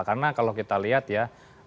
karena kalau kita lihat ya